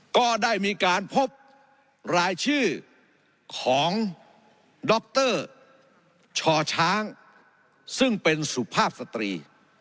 ก็ได้มีการพบรายชื่อของดรชช้างซึ่งเป็นสุภาพสตรี